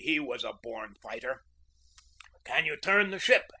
He was a born fighter. "Can you turn the ship?"